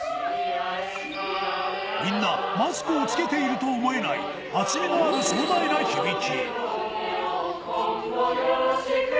みんなマスクをつけていると思えない厚みのある壮大な響き。